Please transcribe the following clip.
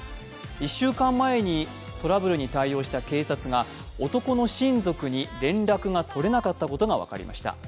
１週間前にトラブルに対応した警察が男の親族に連絡が取れなかったことが分かりました。